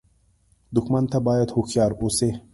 دښمن ته باید هوښیار اوسې